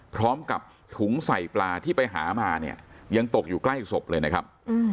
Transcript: พร้อมกับถุงใส่ปลาที่ไปหามาเนี่ยยังตกอยู่ใกล้ศพเลยนะครับ